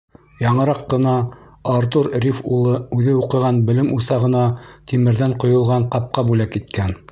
Яңыраҡ ҡына Артур Риф улы үҙе уҡыған белем усағына тимерҙән ҡойолған ҡапҡа бүләк иткән.